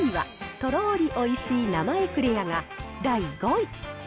とろーりおいしい生エクレアが第５位。